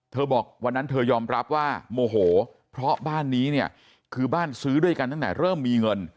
บอกวันนั้นเธอยอมรับว่าโมโหเพราะบ้านนี้เนี่ยคือบ้านซื้อด้วยกันตั้งแต่เริ่มมีเงิน